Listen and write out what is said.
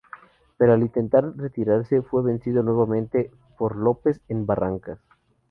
Pero, al intentar retirarse, fue vencido nuevamente por López en Barrancas.